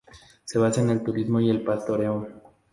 Se basa en el turismo y el pastoreo.